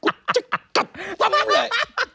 ก็จะกัดทำอย่างนี้เลย